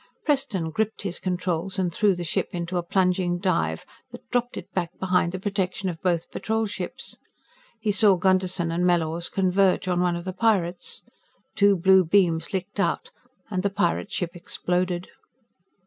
Preston gripped his controls and threw the ship into a plunging dive that dropped it back behind the protection of both Patrol ships. He saw Gunderson and Mellors converge on one of the pirates. Two blue beams licked out, and the pirate ship exploded.